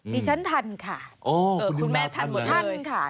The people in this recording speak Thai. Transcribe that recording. ดิฉันทันค่ะคุณแม่ทันหมดเลย